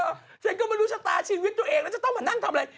ฉันก็ไม่รู้ชะตาชีวิตตัวเองแล้วจะต้องมานั่งทำอะไร